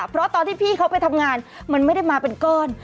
เพราะตอนที่พี่เขาไปทำงานมันไม่ได้มาเป็นก้อน